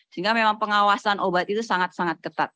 sehingga memang pengawasan obat itu sangat sangat ketat